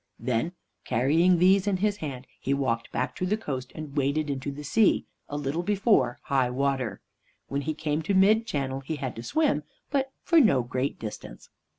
Then, carrying these in his hand, he walked back to the coast and waded into the sea, a little before high water. When he came to mid channel, he had to swim, but for no great distance.